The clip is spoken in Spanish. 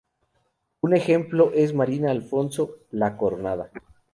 Un ejemplo es Marina Alfonso "la coronada".